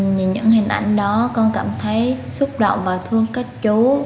nhìn những hình ảnh đó con cảm thấy xúc động và thương các chú